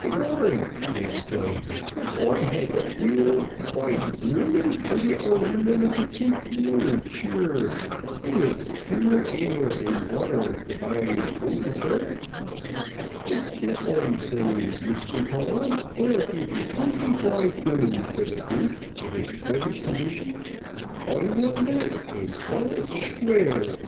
"Begorry!" he exclaimed, "if Oi hod that mule, Oi'd ruun 'im for alderman of the Tinth Ward. Shure, and it's phure air and wather the bye's votin fer. It's this Oi'm sayin', Misther Pod, Oi'll give ye twinty foive bones fer th' brute in his prisent condishun; Oi will that, ond call it shquare."